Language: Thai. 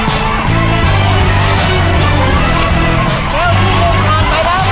ตอนนี้คนใจอยู่แก้วที่๒แล้วครับ